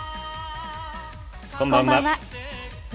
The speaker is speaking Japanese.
こんばんは。